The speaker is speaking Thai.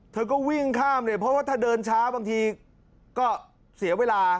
เธอก็วิ่งข้ามเลยเพราะว่าถ้าเดินช้าบางทีก็เสียเวลา